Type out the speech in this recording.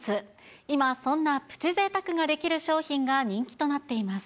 今、そんなプチぜいたくができる商品が人気となっています。